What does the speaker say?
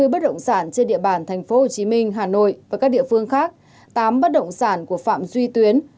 hai mươi bất động sản trên địa bàn tp hcm hà nội và các địa phương khác tám bất động sản của phạm duy tuyến